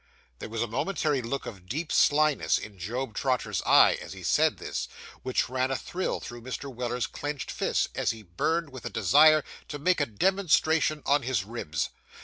There was a momentary look of deep slyness in Job Trotter's eye, as he said this, which ran a thrill through Mr. Weller's clenched fist, as he burned with a desire to make a demonstration on his ribs.